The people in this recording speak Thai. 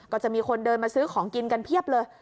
ก็จะมีคนเดินมาซื้อของกินกันเพียบเลย